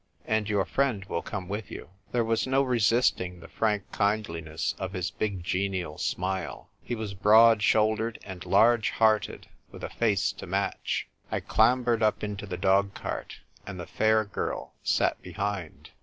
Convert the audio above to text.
And your friend will come with you." There was no resisting the frank kindliness of his big genial smile. He was broad shouldered and large hearted, with a face to match. I clambered up into the dog cart, and the fair girl sat behind.